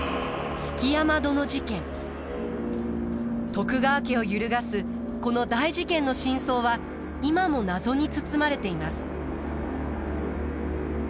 徳川家を揺るがすこの大事件の真相は今も謎に包まれています。